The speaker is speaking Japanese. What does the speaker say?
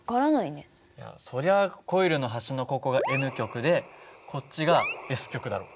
そりゃコイルの端のここがＮ極でこっちがＳ極だろ。